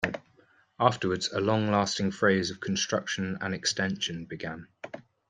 Afterwards, a long lasting phase of construction and extension began.